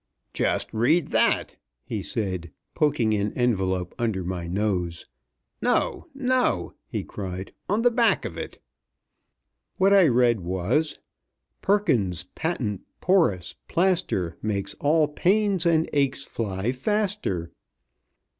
"Just read that!" he said, poking an envelope under my nose. "No, no!" he cried; "on the back of it." What I read was: "Perkins's Patent Porous Plaster Makes all pains and aches fly faster."